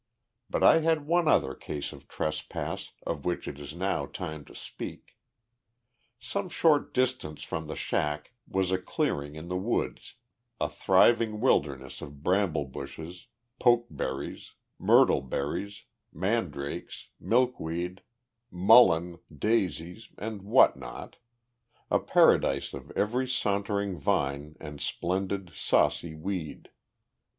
But I had one other case of trespass, of which it is now time to speak. Some short distance from the shack was a clearing in the woods, a thriving wilderness of bramble bushes, poke berries, myrtle berries, mandrakes, milkweed, mullein, daisies and what not a paradise of every sauntering vine and splendid, saucy weed.